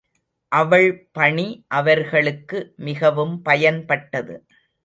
அவள் பணி அவர்களுக்கு மிகவும் பயன்பட்டது.